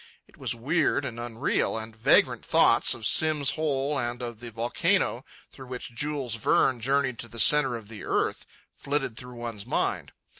It was weird and unreal, and vagrant thoughts of Simm's Hole and of the volcano through which Jules Verne journeyed to the centre of the earth flitted through one's mind.